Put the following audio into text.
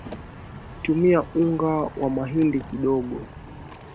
tumia unga wa mahindi kidogo